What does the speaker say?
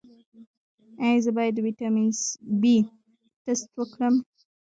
ایا زه باید د ویټامین بي ټسټ وکړم؟